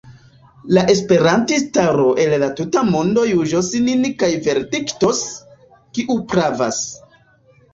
La esperantistaro el la tuta mondo juĝos nin kaj verdiktos, kiu pravas.